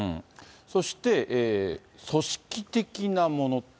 そして、組織的なもの。